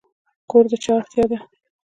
کور د چا اړتیا ده؟